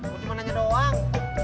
mau cuman nanya doang